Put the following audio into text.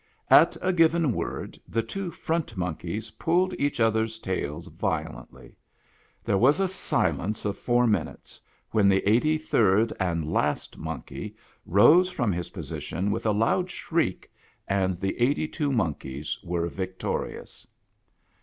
At a given word, the two front monkeys pulled each other's tails violently. There was a silence of four minutes, when the eighty third and last monkey rose from his position with a loud shriek, and the eighty two monkeys were victorious.